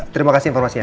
terima kasih informasinya